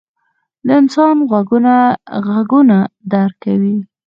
• د انسان غوږونه ږغونه درک کوي.